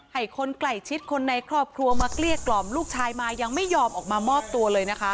ให้คนใกล้ชิดคนในครอบครัวมาเกลี้ยกล่อมลูกชายมายังไม่ยอมออกมามอบตัวเลยนะคะ